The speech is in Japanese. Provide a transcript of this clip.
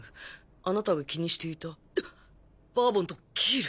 あなたが気にしていたバーボンとキール」。